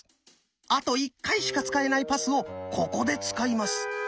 あと１回しか使えないパスをここで使います。